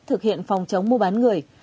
thực hiện phòng chống mua bán người